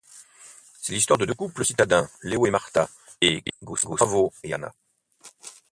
C'est l'histoire de deux couples citadins, Leo et Marta, et Gustavo et Anna.